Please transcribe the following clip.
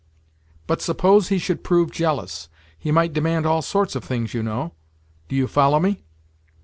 "But, suppose he should prove jealous? He might demand all sorts of things, you know. Do you follow me?"